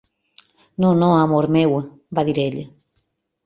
"No, no, amor meu", va dir ell.